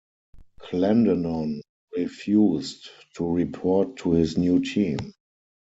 Clendenon refused to report to his new team.